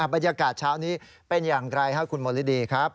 บรรยากาศเช้านี้เป็นอย่างไรครับคุณมริดีครับ